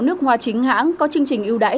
nước hoa chính hãng có chương trình yêu đãi